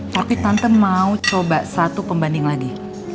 tapi tante mau coba satu pembanding lagi